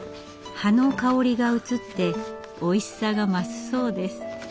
葉の香りが移っておいしさが増すそうです。